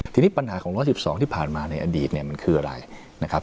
ทีนี้ปัญหาของ๑๑๒ที่ผ่านมาในอดีตเนี่ยมันคืออะไรนะครับ